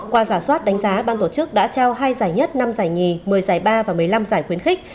qua giả soát đánh giá ban tổ chức đã trao hai giải nhất năm giải nhì một mươi giải ba và một mươi năm giải khuyến khích